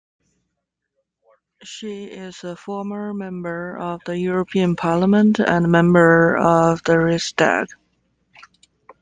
She is a former Member of the European Parliament and Member of the Riksdag.